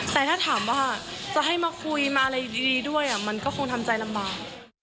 แต่ถ้าถามว่าจะให้มาคุยมาอะไรดีด้วยมันก็คงทำใจลำบาก